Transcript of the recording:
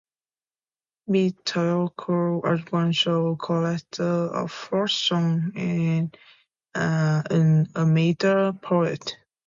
Metelko was also a collector of folk songs and an amateur poet.